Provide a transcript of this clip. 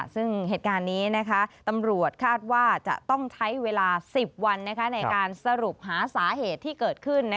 ซึ่งเหตุการณ์นี้ตำรวจคาดว่าจะต้องใช้เวลา๑๐วันในการสรุปหาสาเหตุที่เกิดขึ้น